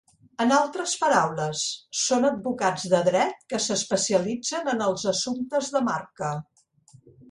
En altres paraules, són advocats de dret que s'especialitzen en els assumptes de marca.